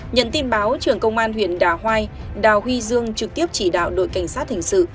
nhận tin báo trưởng công an huyện đà hoai đào huy dương trực tiếp chỉ đạo đội cảnh sát hình sự